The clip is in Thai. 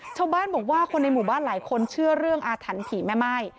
ชาวบ้านบอกว่าคนในหมู่บ้านหลายคนเชื่อเรื่องอาถรรพ์ผีแม่ไม้